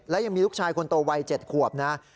และยังมีลูกชายคนโตวัย๗ขวบนะ